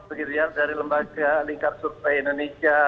begitu ya dari lembaga lingkar survei indonesia